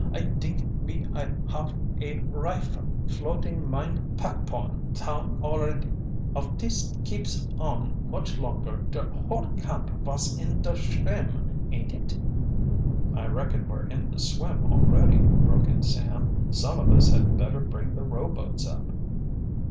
"I dink me I half a rifer floating mine packpone town alretty! Of dis keeps on much longer der whole camp vos in der schwim, ain't it!" "I reckon we're in the swim already," broke in Sam. "Some of us had better bring the rowboats up."